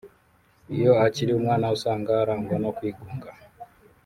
Iyo akiri umwana usanga arangwa no kwigunga